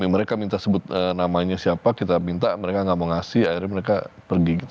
mereka minta sebut namanya siapa kita minta mereka nggak mau ngasih akhirnya mereka pergi gitu